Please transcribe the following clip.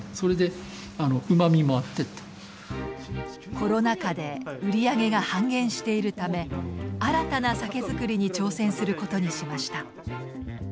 コロナ禍で売り上げが半減しているため新たな酒造りに挑戦することにしました。